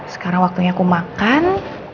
sekarang waktunya aku makan